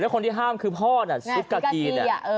แล้วคนที่ห้ามคือพ่อน่ะศึกกะกีน่ะ